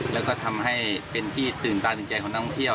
แล้วก็ทำให้เป็นที่ตื่นตาตื่นใจของนักท่องเที่ยว